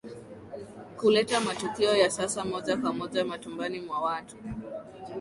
Kuleta matukio ya sasa moja kwa moja majumbani mwa watu